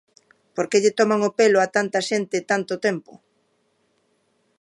¿Por que lle toman o pelo a tanta xente tanto tempo?